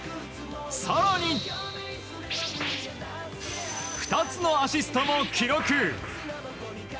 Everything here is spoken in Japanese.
更に、２つのアシストも記録。